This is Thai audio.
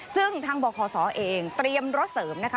ซึ่งทางบคศเองเตรียมรถเสริมนะคะ